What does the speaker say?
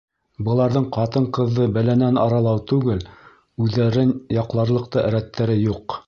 Быларҙың ҡатын-ҡыҙҙы бәләнән аралау түгел, үҙҙәрен яҡларлыҡ та рәттәре юҡ.